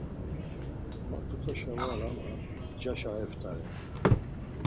Ma tutaşa var ama ncaşa eft̆are.